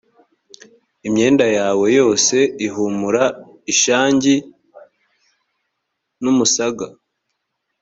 imyenda yawe yose ihumura ishangi n umusaga